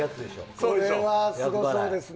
これはすごそうですね。